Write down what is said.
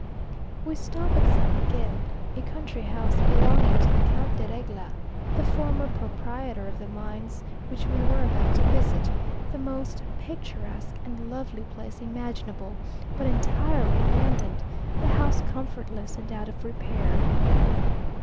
We stopped at San Miguel, a country house belonging to the Count de Regla, the former proprietor of the mines which we were about to visit; the most picturesque and lovely place imaginable, but entirely abandoned; the house comfortless and out of repair.